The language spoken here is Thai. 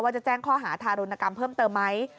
จะแจ้งข้อหาทารุณกรรมเพิ่มเติมไหม